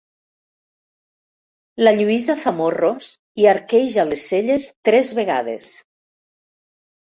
La Lluïsa fa morros i arqueja les celles tres vegades.